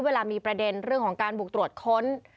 เวลามีประเด็นเรื่องของการบุกตรวจค้น